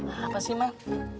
apa sih mbak